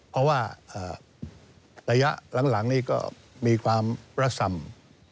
เพราะว่าระยะหลังนี่ก็มีความระส่ำ